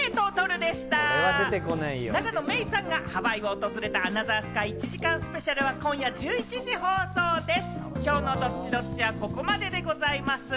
永野芽郁さんがハワイを訪れた『アナザースカイ』１時間スペシャルは今夜１１時放送です。